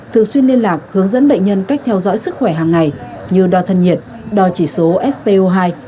thường xuyên liên lạc hướng dẫn bệnh nhân cách theo dõi sức khỏe hàng ngày như đo thân nhiệt đo chỉ số spo hai